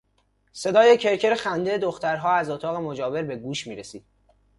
صدای کرکر خندهی دخترها از اتاق مجاور به گوش میرسید.